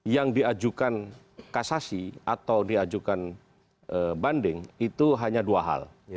yang diajukan kasasi atau diajukan banding itu hanya dua hal